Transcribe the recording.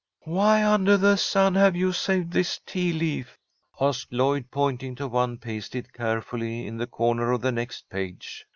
"Why undah the sun have you saved this tea leaf?" asked Lloyd, pointing to one pasted carefully in the corner of the next page.